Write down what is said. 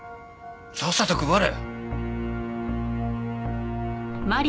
さっさと配れ！